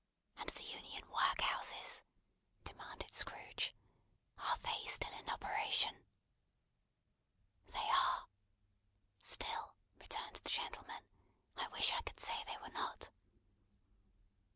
"And the Union workhouses?" demanded Scrooge. "Are they still in operation?" "They are. Still," returned the gentleman, "I wish I could say they were not."